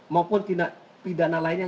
maupun pidana lainnya